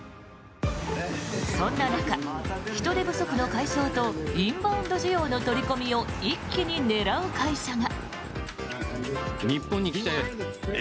そんな中、人手不足の解消とインバウンド需要の取り込みを一気に狙う会社が。